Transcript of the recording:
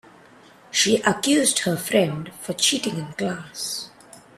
She accuse her friend for cheating in class.